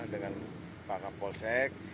dengan pak kapolsek